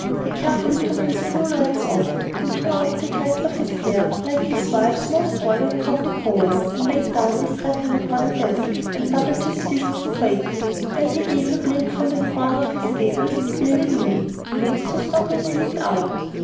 He carefully took his blue lights off, then drew up the crest of his hair, like his wife's most warlike cock a crowing, and laid down his rattan upon a desk, and doubled his fists, and waited. Then he gave a blink from the corner of his gables, clearly meaning, "Please to stop and see it out."